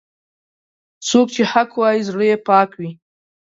څوک چې حق وايي، زړه یې پاک وي.